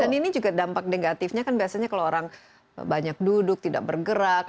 dan ini juga dampak negatifnya kan biasanya kalau orang banyak duduk tidak bergerak